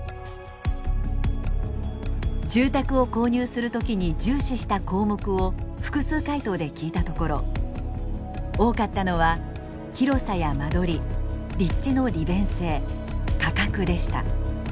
住宅を購入する時に重視した項目を複数回答で聞いたところ多かったのは広さや間取り立地の利便性価格でした。